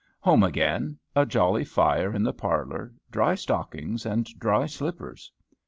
Home again; a jolly fire in the parlor, dry stockings, and dry slippers.